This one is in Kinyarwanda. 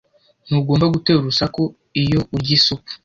Ntugomba gutera urusaku iyo urya isupu.